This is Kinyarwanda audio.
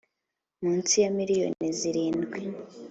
munsi ya miliyoni zirindwi